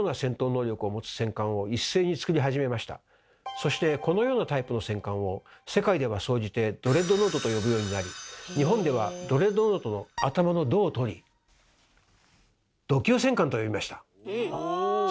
そしてこのようなタイプの戦艦を世界では総じて「ドレッドノート」と呼ぶようになり日本ではドレッドノートの頭の「ド」をとり「弩級戦艦」と呼びました。